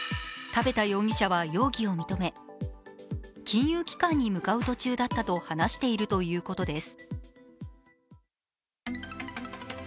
多部田容疑者は容疑を認め金融機関に向かう途中だったと話しているということです。